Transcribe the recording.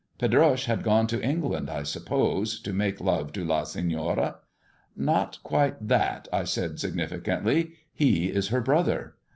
"Pedroche had gone to England, I suppose, to make love to La Seiioral" " Not quite that," I said significantly ;" he is her brother."